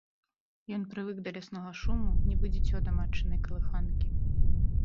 Ён прывык да ляснога шуму, нібы дзіцё да матчынай калыханкі.